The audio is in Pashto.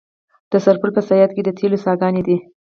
د سرپل په صیاد کې د تیلو څاګانې دي.